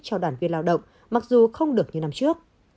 cho đoàn viên lao động mặc dù không được như năm trước